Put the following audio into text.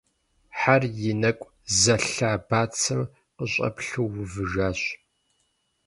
Хьэр и нэкӀу зэлъа бацэм къыщӀэплъу увыжащ.